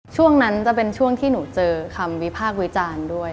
ช่วงนั้นจะเป็นช่วงที่หนูเจอคำวิพากษ์วิจารณ์ด้วย